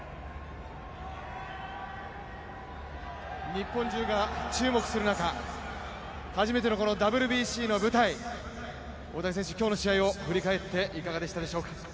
日本中が注目する中、初めてのＷＢＣの舞台、大谷選手、今日の試合を振り返っていかがでしたか？